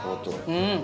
うん！